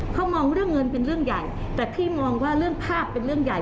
เขามองเรื่องเงินเป็นเรื่องใหญ่แต่พี่มองว่าเรื่องภาพเป็นเรื่องใหญ่